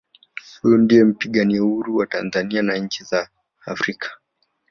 huyu ndiye mpigania Uhuru wa tanzania na nchi nyingi za africa